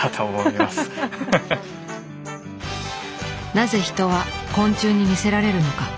なぜ人は昆虫に魅せられるのか？